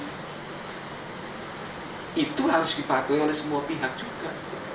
masyarakat yang diberikan penggunaan kontras itu harus dibatuhi oleh semua pihak juga